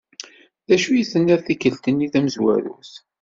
Dacu i d-tenniḍ tikkelt-nni tamezwarut?